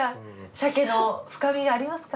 鮭の深みがありますか？